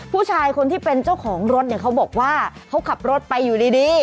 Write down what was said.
ผู้ชายคนที่เป็นเจ้าของรถเนี่ยเขาบอกว่าเขาขับรถไปอยู่ดี